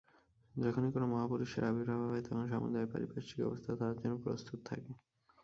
যখনই কোন মহাপুরুষের আবির্ভাব হয়, তখন সমুদয় পারিপার্শ্বিক অবস্থা তাঁহার জন্য প্রস্তুত থাকে।